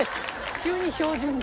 急に標準語？